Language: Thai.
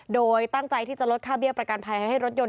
โดยตั้งใจที่จะลดค่าเบี้ยประกันภัยให้รถยนต